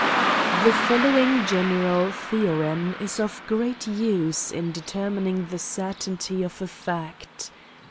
T He following general theorem is of great use in determinini5: the certainty of a fact.